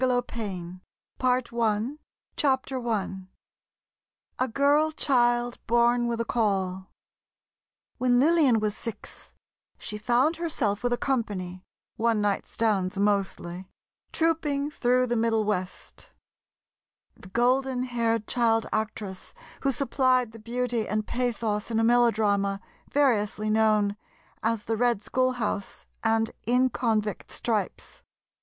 LIFE AND LILLIAN GISH PART ONE I A GIRL CHILD, BORN WITH A CAUL When Lillian was six, she found herself with a company (one night stands, mostly), "trouping" through the Middle West— ... the golden haired child actress who supplied the beauty and pathos in a melodrama variously known as "The Red Schoolhouse" and "In Convict Stripes."